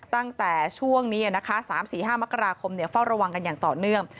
ตั้งแต่ช่วงนี้๓๔๕มกราคมเฝ้าระวังกันอย่างต่อเนื่อง